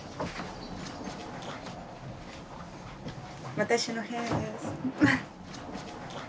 私の部屋です。